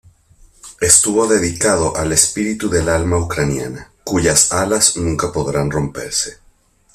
Estuvo dedicado al "espíritu del alma ucraniana, cuyas alas nunca podrán romperse".